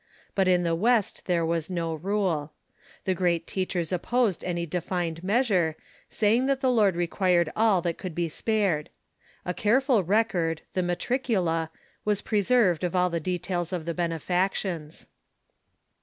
But in the West there was no rule. The great teachers opposed any de fined measure, saying that the Lord requii'ed all that could be spared. A careful record, the niatricula, was preserved of all the details of the benefactions.